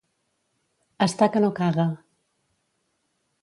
Estar que no caga.